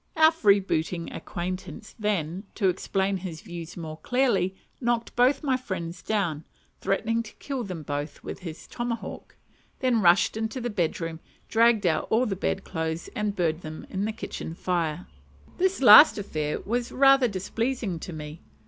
Our freebooting acquaintance then, to explain his views more clearly, knocked both my friends down; threatened to kill them both with his tomahawk; then rushed into the bedroom, dragged out all the bedclothes, and burnt them on the kitchen fire. This last affair was rather displeasing to me.